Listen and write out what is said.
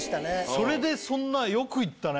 それでそんなよく言ったね